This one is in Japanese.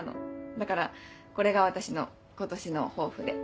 だからこれが私の今年の抱負で。